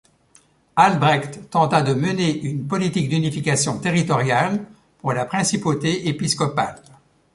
Albrecht tenta de mener une politique d'unification territoriale pour la principauté épiscopale.